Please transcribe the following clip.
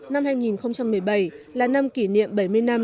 năm hai nghìn một mươi bảy là năm kỷ niệm bảy mươi năm